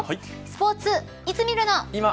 スポーツ、いつ見るの。